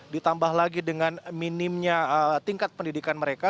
ditambah lagi dengan minimnya tingkat pendidikan mereka